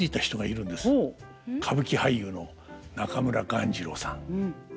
歌舞伎俳優の中村鴈治郎さん。